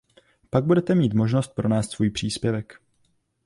Pak budete mít možnost pronést svůj příspěvek.